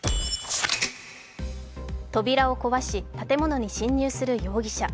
扉を壊し建物に侵入する容疑者。